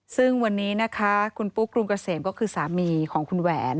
ซึ่งวันนี้นะคะคุณปุ๊กรุงเกษมก็คือสามีของคุณแหวน